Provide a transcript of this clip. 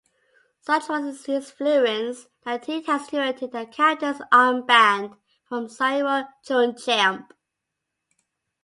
Such was his influence, that he has inherited the captain's armband from Cyril Jeunechamp.